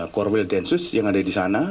korwildensus yang ada disana